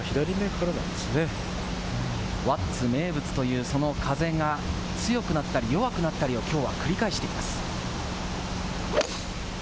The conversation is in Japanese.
輪厚名物というその風が強くなったり弱くなったりをきょうは繰り返しています。